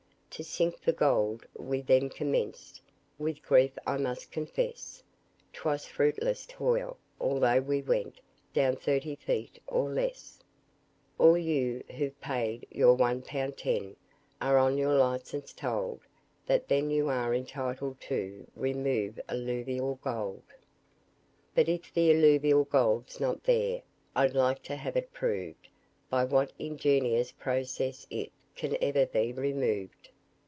To sink for gold we then commenced, With grief I must confess, 'Twas fruitless toil, although we went Down thirty feet or less. All you who've paid your one pound ten, Are on your licence told That then you are entitled to Remove alluvial gold. But if the alluvial gold's not there I'd like to have it proved By what ingenious process it Can ever be removed?